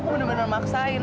aku bener bener maksain